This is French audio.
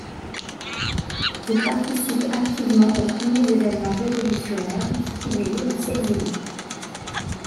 Il participe activement aux premiers évènements révolutionnaires ce qui lui vaut de s'exiler.